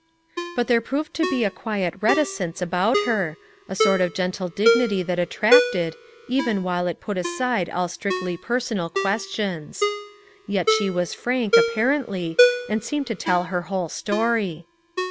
But there proved to be a quiet reticence about 92 FOUR MOTHERS AT CHAUTAUQUA her, a sort of gentle dignity that attracted, even. while it put aside all strictly personal ques tions. Yet she was frank, apparently, and seemed to tell her whole story.